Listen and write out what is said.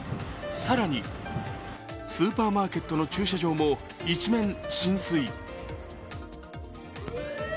更にスーパーマーケットの駐車場も一面浸水。